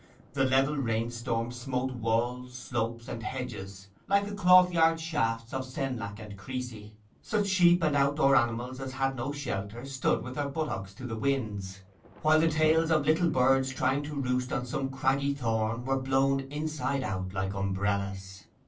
The level rainstorm smote walls, slopes, and hedges like the clothyard shafts of Senlac and Crecy. Such sheep and outdoor animals as had no shelter stood with their buttocks to the winds; while the tails of little birds trying to roost on some scraggy thorn were blown inside out like umbrellas.